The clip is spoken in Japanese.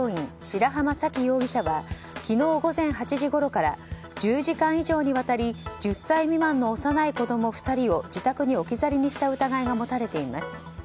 白濱沙紀容疑者は昨日午前８時ごろから１０時間以上にわたり１０歳未満の幼い子供２人を自宅に置き去りにした疑いが持たれています。